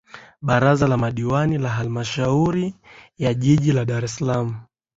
Baraza la Madiwani la Halmashauri ya Jiji la Dar es Salaam